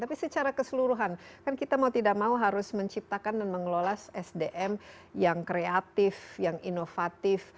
tapi secara keseluruhan kan kita mau tidak mau harus menciptakan dan mengelola sdm yang kreatif yang inovatif